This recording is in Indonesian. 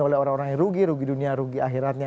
oleh orang orang yang rugi rugi dunia rugi akhiratnya